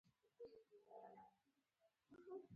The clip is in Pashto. د اعدامونو او ملکي وګړو پر وړاندې تاوتریخوالی تاریخي پېښې دي.